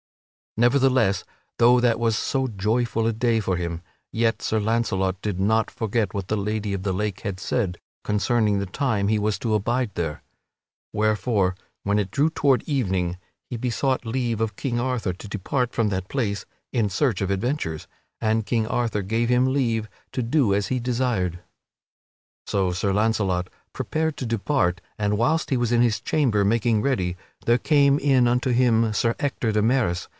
Nevertheless, though that was so joyful a day for him, yet Sir Launcelot did not forget what the Lady of the Lake had said concerning the time he was to abide there! Wherefore, when it drew toward evening he besought leave of King Arthur to depart from that place in search of adventures, and King Arthur gave him leave to do as he desired. So Sir Launcelot prepared to depart, and whilst he was in his chamber making ready there came in unto him Sir Ector de Maris.